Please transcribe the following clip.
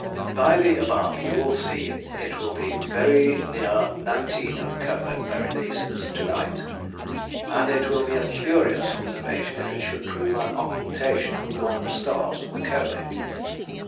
By the above, you will see it will be very near 19 of Comæ Berenices to night, and it will be a curious observation if it should prove an occultation of one of the stars of the Comæ.